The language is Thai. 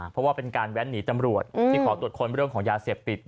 เพราะว่าเป็นการแว้นหนีตำรวจที่ขอตรวจค้นเรื่องของยาเสพติด